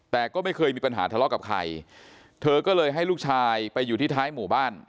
แต่ก็ไม่เคยมีปัญหาทะเลาะกับใครเธอก็เลยให้ลูกชายไปอยู่ที่ท้ายหมู่บ้าน